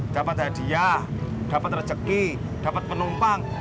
dapet hadiah dapet rezeki dapet penumpang